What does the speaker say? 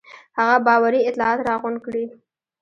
هغه باوري اطلاعات راغونډ کړي.